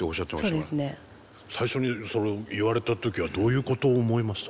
最初にそれを言われた時はどういうことを思いました？